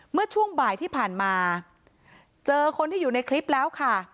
เมื่อช่วงบ่ายที่ผ่านมาเจอคนที่อยู่ในคลิปแล้วค่ะ